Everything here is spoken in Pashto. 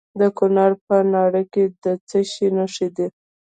د کونړ په ناړۍ کې د څه شي نښې دي؟